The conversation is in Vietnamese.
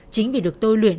chính vì được tôi luyện